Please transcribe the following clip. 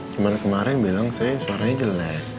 cuma kemarin bilang saya suaranya jelek